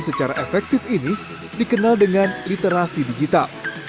dan secara efektif ini dikenal dengan literasi digital